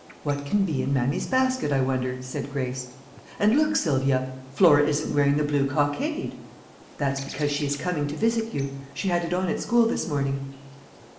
"What can be in Mammy's basket, I wonder?" said Grace. "And, look, Sylvia! Flora isn't wearing the blue cockade! That's because she is coming to visit you. She had it on at school this morning."